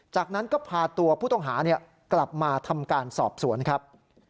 จากนั้นก็พาตัวผู้ต้องหากลับมาทำการสอบสวนครับ